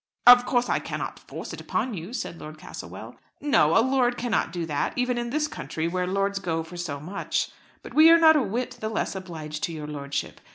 "Of course I cannot force it upon you," said Lord Castlewell. "No; a lord cannot do that, even in this country, where lords go for so much. But we are not a whit the less obliged to your lordship.